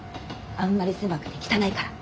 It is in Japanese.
あんまり狭くて汚いから。